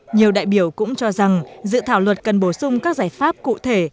nhiều đại biểu cũng cho rằng dự thảo luật cần bổ sung các giải pháp cụ thể